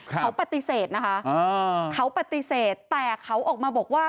เขาปฏิเสธนะคะเขาปฏิเสธแต่เขาออกมาบอกว่า